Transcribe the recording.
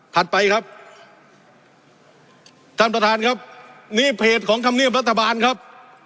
ผ่านไปครับท่านประทานครับนี่เพจของคำเนี่ยมรัฐบาลครับ